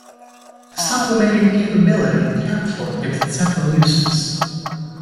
The sublimating capability of camphor gives it several uses.